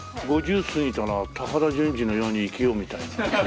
「５０過ぎたら高田純次のように生きよう」みたいな。